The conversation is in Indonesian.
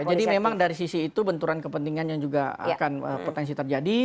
jadi memang dari sisi itu benturan kepentingan yang juga akan potensi terjadi